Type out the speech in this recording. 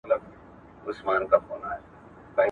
هارود او دومار د ودي نوي تیورۍ لرلې.